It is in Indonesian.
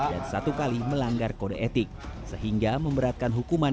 dan satu kali melanggar kode etik sehingga memberatkan hukuman